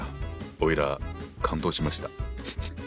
おいら感動しました。